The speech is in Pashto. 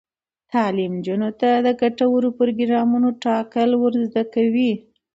تعلیم نجونو ته د ګټورو پروګرامونو ټاکل ور زده کوي.